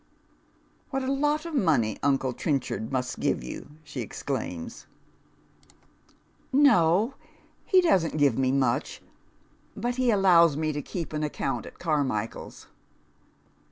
" What a lot of money uncle Tieuchard must.give you I " she exclaims. 90 Dead Men's ShoeB. " No, he doesn't give me much, but he allows me to keep &a account at Carmichael's."